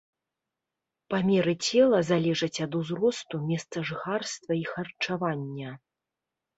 Памеры цела залежаць ад узросту, месцажыхарства і харчавання.